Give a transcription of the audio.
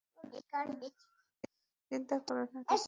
চিন্তা করো না, কিছুই হবে না।